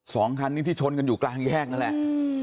สองคันนี้ที่ชนกันอยู่กลางแยกนั่นแหละ